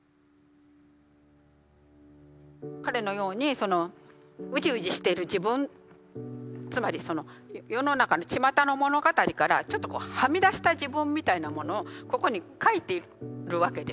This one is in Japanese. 彼のようにそのうじうじしている自分つまりその世の中のちまたの物語からちょっとはみ出した自分みたいなものをここに書いているわけですよ。